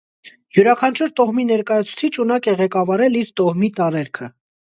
Յուրաքանչյուր տոհմի ներկայացուցիչ ունակ է ղեկավարել իր տոհմի տարերքը։